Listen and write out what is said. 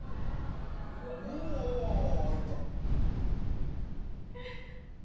・うわいった。